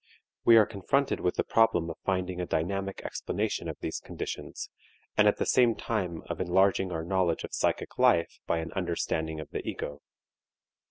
We are confronted with the problem of finding a dynamic explanation of these conditions and at the same time of enlarging our knowledge of psychic life by an understanding of the ego.